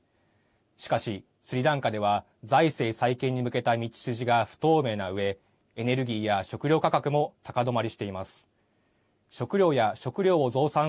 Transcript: しかし、スリランカでは財政再建に向けた道筋が不透明なうえエネルギーや食料価格も高止まりしています。